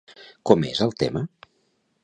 Com és el tema?